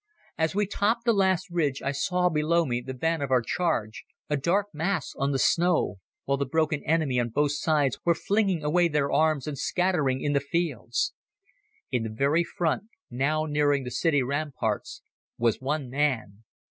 As we topped the last ridge I saw below me the van of our charge—a dark mass on the snow—while the broken enemy on both sides were flinging away their arms and scattering in the fields. In the very front, now nearing the city ramparts, was one man.